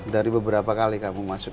dari beberapa kali kamu masuk